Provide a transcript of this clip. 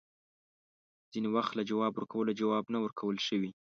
ځینې وخت له جواب ورکولو، جواب نه ورکول ښه وي